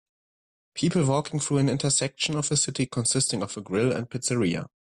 People walking through an intersection of a city consisting of a grill and pizzeria.